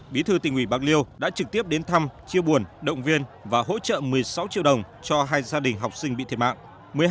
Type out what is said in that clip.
bí thư tỉnh ủy bạc liêu đã trực tiếp đến thăm chia buồn động viên và hỗ trợ một mươi sáu triệu đồng cho hai gia đình học sinh bị thiệt mạng